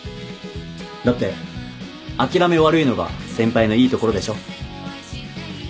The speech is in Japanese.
だって諦め悪いのが先輩のいいところでしょ。